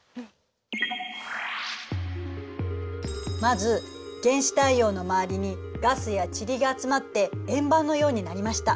まず原始太陽の周りにガスや塵が集まって円盤のようになりました。